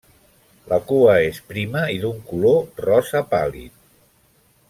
La cua és prima i d'un color rosa pàl·lid.